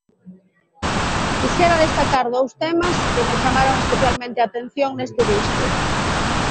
Quixera destacar dous temas que me chamaron especialmente a atención neste disco.